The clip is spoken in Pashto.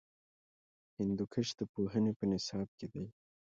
هندوکش د پوهنې په نصاب کې دی.